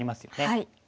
はい。